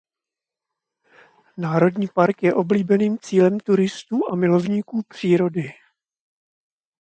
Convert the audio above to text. Národní park je oblíbeným cílem turistů a milovníků přírody.